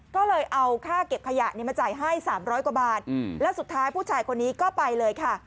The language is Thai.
ก็เลยเอาค่าเก็บขยะมาจ่ายให้๓๐๐กว่าบาทแล้วสุดท้ายผู้ชายคนนี้ก็ไปเลยค่ะ